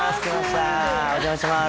お邪魔します。